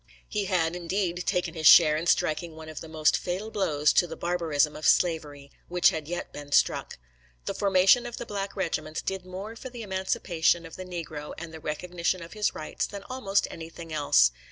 He had, indeed, taken his share in striking one of the most fatal blows to the barbarism of slavery which had yet been struck. The formation of the black regiments did more for the emancipation of the negro and the recognition of his rights, than almost anything else.